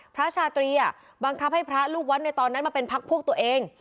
พระชาตรีบังคับให้พระลูกวัดในตอนนั้นมาเป็นพักพวกตัวเอง